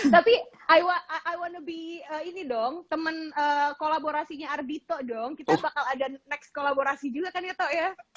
tapi i wanna be temen kolaborasi ardhito dong kita akan ada next kolaborasi juga kan ya toh